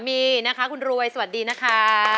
สวัสดีนะคะคุณหนุ๊ยสวัสดีนะคะ